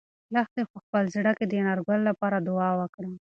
لښتې په خپل زړه کې د انارګل لپاره دعا وکړه.